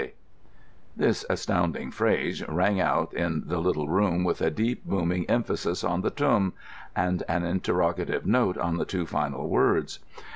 _" This astounding phrase rang out in the little room with a deep, booming emphasis on the "tūm," and an interrogative note on the two final words.